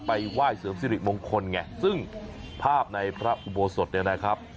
ไปไหว้เสริมสิริมงคลไงซึ่งภาพในพระอุโบสถเนี่ยนะครับ